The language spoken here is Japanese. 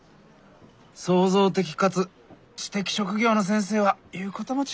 創造的かつ知的職業の先生は言うことも違うねえ。